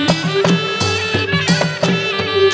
โอ้โหโอ้มายก๊อด